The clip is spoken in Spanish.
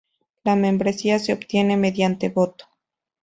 La membresía se obtiene mediante voto.